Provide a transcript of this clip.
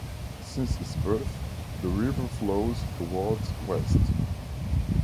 Since its birth, the river flows towards West.